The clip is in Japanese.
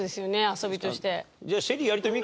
遊びとして。